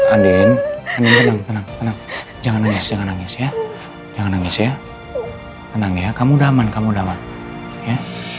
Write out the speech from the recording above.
adin adin tenang tenang jangan nangis jangan nangis ya jangan nangis ya tenang ya kamu damai kamu damai ya